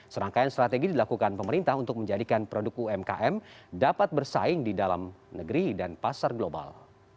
serangkaian strategi dilakukan pemerintah untuk menjadikan produk umkm dapat bersaing di dalam negeri dan pasar global